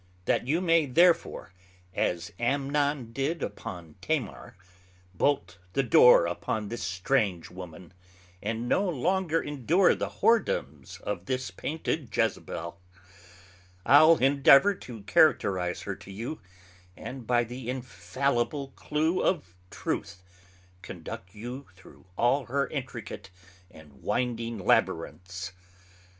That you may therefore (as Amnon did upon Tamar) bolt the door upon this strange woman, and no longer endure the whoredoms of this painted Jezebel; I'le endeavour to characterize her to you, and by the infallible clue of Truth conduct you through all her intricate and winding Labyrinths.